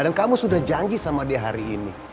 dan kamu sudah janji sama dia hari ini